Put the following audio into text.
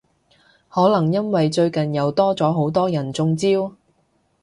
可能因為最近又多咗好多人中招？